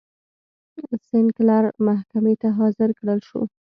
سینکلر محکمې ته حاضر کړل شو.